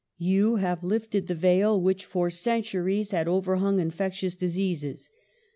You have lifted the veil which for centuries had overhung infectious diseases.